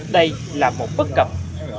đây là một bất cập